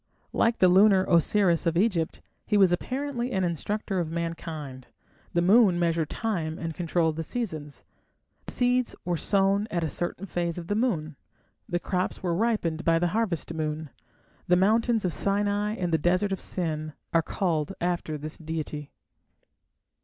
Like the lunar Osiris of Egypt, he was apparently an instructor of mankind; the moon measured time and controlled the seasons; seeds were sown at a certain phase of the moon, and crops were ripened by the harvest moon. The mountains of Sinai and the desert of Sin are called after this deity.